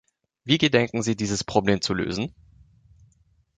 Wie gedenken Sie dieses Problem zu lösen?